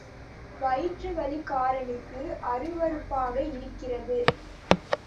வயிற்றுவலிக்காரனுக்கு அருவருப்பாக இருக்கிறது.